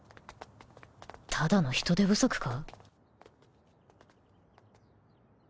ただの人手不足か？